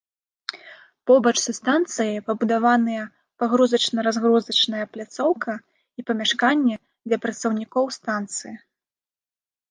Побач са станцыяй пабудаваныя пагрузачна-разгрузная пляцоўка і памяшканні для працаўнікоў станцыі.